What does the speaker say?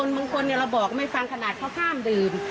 บางคนเราบอกไม่ฟังขนาดเขาห้ามดื่ม